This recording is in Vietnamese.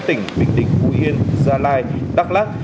tỉnh bình định phú yên gia lai đắk lắc